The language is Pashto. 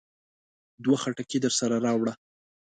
دوه خټکي درسره راوړه.